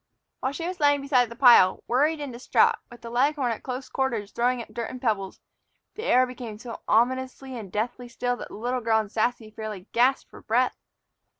While she was lying beside the pile, worried and distraught, with the leghorn at close quarters throwing up dirt and pebbles, the air became so ominously and deathly still that the little girl and Sassy fairly gasped for breath.